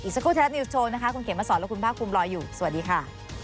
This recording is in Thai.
อีกสักครู่เทพนิวส์โชว์นะคะคุณเขียนมาสอนแล้วคุณป้าคุมรออยู่สวัสดีค่ะ